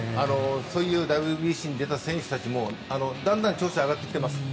そういうＷＢＣに出た選手たちもだんだん調子上がってきてます。